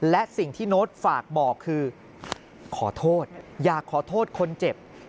และสิ่งที่โน้ตฝากบอกคือขอโทษอยากขอโทษคนเจ็บ